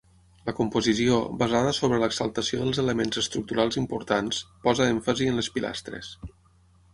La composició, basada sobre l'exaltació dels elements estructurals importants, posa èmfasi en les pilastres.